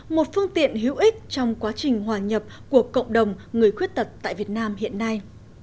một phương tiện hữu ích trong quá trình hòa nhập của cộng đồng người khuyết tật tại việt nam hiện nay